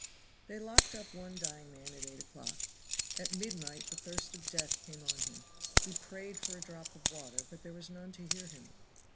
They locked up one dying man at eight o'clock. At midnight the thirst of death came on him. He prayed for a drop of water, but there was none to hear him.